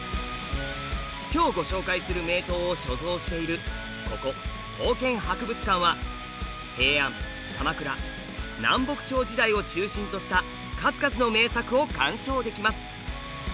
今日ご紹介する名刀を所蔵しているここ刀剣博物館は平安・鎌倉・南北朝時代を中心とした数々の名作を鑑賞できます。